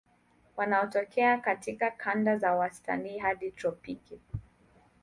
Wanatokea katika kanda za wastani hadi tropiki.